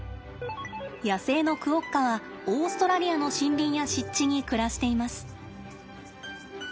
野生のクオッカはオーストラリアの森林や湿地に暮らしています。